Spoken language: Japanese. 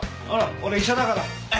俺医者だから。